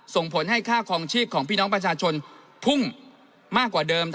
ส่งผลให้ค่าคลองชีพของพี่น้องประชาชนพุ่งมากกว่าเดิม